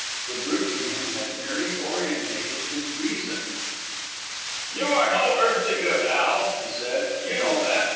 The brute in him had merely orientated his reason. "You are no earthly good, Al," he said. "You know that.